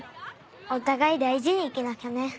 お互い大事に生きなきゃね。